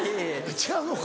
違うのか？